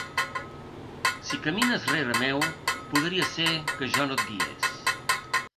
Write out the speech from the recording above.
Si camines rere meu podria ser que jo no et guiés.